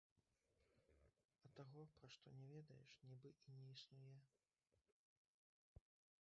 А таго, пра што не ведаеш, нібы і не існуе.